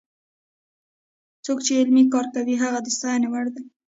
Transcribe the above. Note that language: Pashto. څوک چې علمي کار کوي هغه د ستاینې وړ دی.